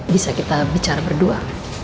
bisa kita bicara berdua